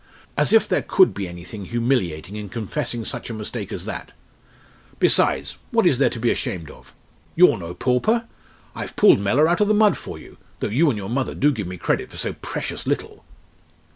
As if there could be anything humiliating in confessing such a mistake as that; besides, what is there to be ashamed of? You're no pauper. I've pulled Mellor out of the mud for you, though you and your mother do give me credit for so precious little!"